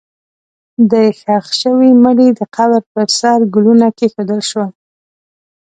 د ښخ شوي مړي د قبر پر سر ګلونه کېښودل شول.